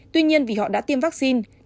tuy nhiên vì họ đã tiêm vaccine